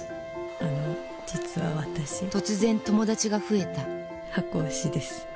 あの実は私突然友達が増えた箱推しです。